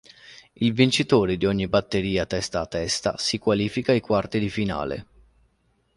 Il vincitore di ogni batteria testa a testa si qualifica ai quarti di finale.